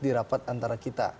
di rapat antara kita